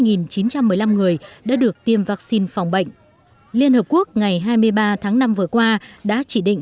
tỉnh bắc kivu đã được tiêm vắc xin phòng bệnh liên hợp quốc ngày hai mươi ba tháng năm vừa qua đã chỉ định